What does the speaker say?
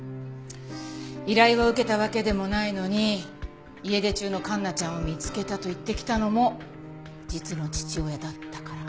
依頼を受けたわけでもないのに家出中の環奈ちゃんを見つけたと言ってきたのも実の父親だったから？